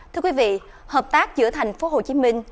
thưa quý vị hợp tác giữa thành phố hồ chí minh